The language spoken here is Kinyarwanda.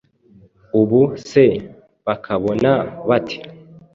Ubu se bakabona bate